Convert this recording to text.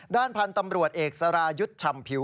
ด้านพันธุ์ตำรวจเอกสรายุทธ์ชำผิว